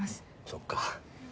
そっか。